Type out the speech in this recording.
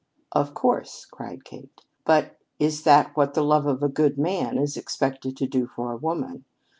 "Of course," cried Kate; "but is that what the love of a good man is expected to do for a woman?